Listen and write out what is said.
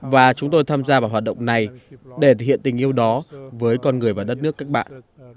và chúng tôi tham gia vào hoạt động này để thể hiện tình yêu đó với con người và đất nước các bạn